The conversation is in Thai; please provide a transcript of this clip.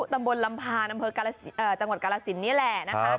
ตำบลลำพาน้ำเผื่อจังหวัดกล้าศิลป์นี่แหละ